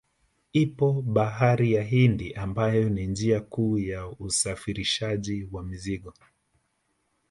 Ipo bahari ya Hindi ambayo ni njia kuu ya usafirishaji wa mizigo